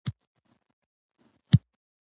شفافیت د سم مدیریت نښه ده.